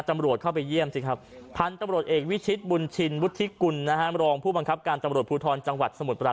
จำรวจเข้าไปเยี่ยมสิครับพันธุ์จำรวจเอกวิชิตบุญชินวุฒิกุลนะฮะ